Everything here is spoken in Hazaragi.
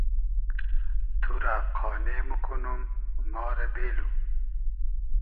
تو رۂ قانې موکونوم ما رۂ بېلو